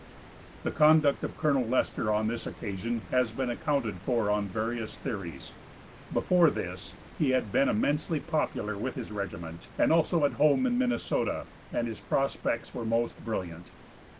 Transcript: The conduct of Colonel Lester on this occasion has been accounted for on various theories. Before this he had been immensely popular with his regiment, and also at home in Minnesota, and his prospects were most brilliant.